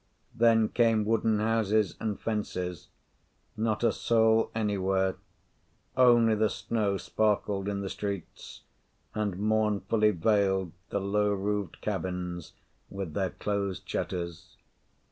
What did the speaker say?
Then came wooden houses and fences: not a soul anywhere; only the snow sparkled in the streets, and mournfully veiled the low roofed cabins with their closed shutters.